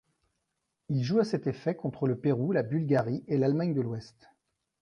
Il joue à cet effet contre le Pérou, la Bulgarie et l'Allemagne de l'Ouest.